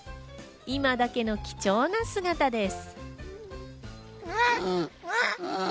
今だけの貴重な姿です。